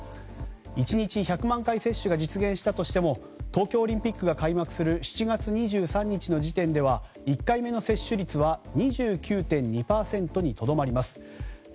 １日１００万回接種が実現したとしても東京オリンピックが開幕する７月の時点では１回目の接種率は２９．２％にとどまります。